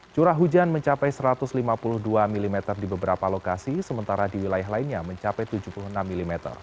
curah hujan mencapai satu ratus lima puluh dua mm di beberapa lokasi sementara di wilayah lainnya mencapai tujuh puluh enam mm